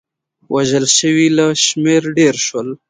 وژل شوي له شمېر ډېر شول.